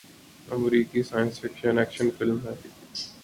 امریکی science fiction action film ہے